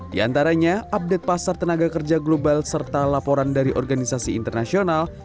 di antaranya update pasar tenaga kerja global serta laporan dari organisasi internasional